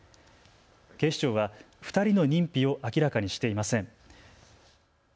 警視庁は２人の認否を明らかにしていません。